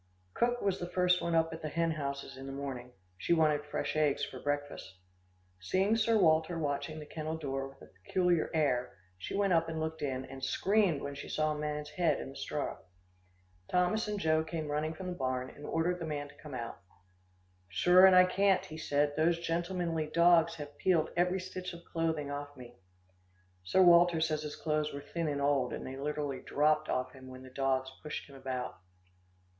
Cook was the first one up at the hen houses in the morning. She wanted fresh eggs for breakfast. Seeing Sir Walter watching the kennel door with a peculiar air, she went up and looked in, and screamed when she saw a man's head in the straw. Thomas and Joe came running from the barn, and ordered the man to come out. "Sure and I can't," he said, "those gentlemanly dogs have peeled every stitch of clothing off me." Sir Walter says his clothes were thin and old, and they literally dropped off him, when the dogs pushed him about.